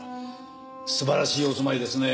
素晴らしいお住まいですね。